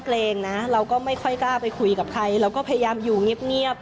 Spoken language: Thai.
เกรงนะแล้วก็ไม่ค่อยกล้าไปคุยกับใครแล้วก็พยายามอยู่เงียบเงียบ